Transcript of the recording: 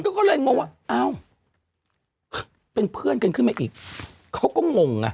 ก็เลยงงว่าอ้าวเป็นเพื่อนกันขึ้นมาอีกเขาก็งงไง